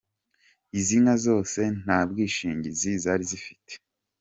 Izi nka zose nta bwishingizi zari zifite.